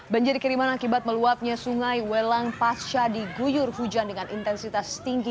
banjir kiriman akibat meluapnya sungai welang pasca diguyur hujan dengan intensitas tinggi